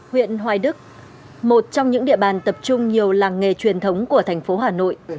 huyện hoài đức một trong những địa bàn tập trung nhiều làng nghề truyền thống của thành phố hà nội